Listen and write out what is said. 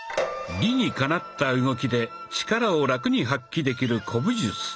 理にかなった動きで力をラクに発揮できる古武術。